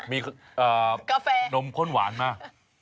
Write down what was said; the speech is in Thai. มีนมข้นหวานมา